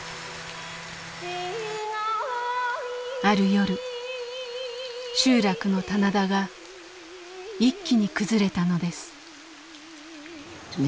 ある夜集落の棚田が一気に崩れたのです。